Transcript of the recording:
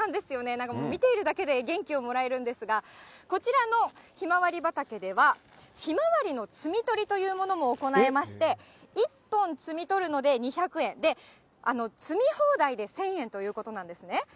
なんかもう見ているだけで元気をもらえるんですが、こちらのひまわり畑では、ひまわりの摘み取りというものも行えまして、１本摘み取るので２００円、で、摘み放題で１０００円ということなんですね。